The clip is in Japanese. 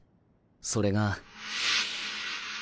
それが。